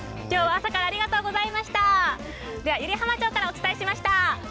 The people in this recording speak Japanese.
朝からありがとうございました。